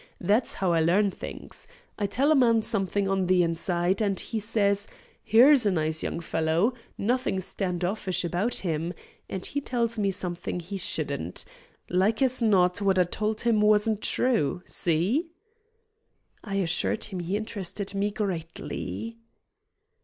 That's how I learn things. I tell a man something on the inside, and he says: 'Here's a nice young fellow. Nothing standoffish about him,' and he tells me something he shouldn't. Like as not what I told him wasn't true. See?" I assured him he interested me greatly.